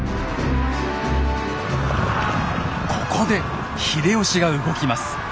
ここで秀吉が動きます。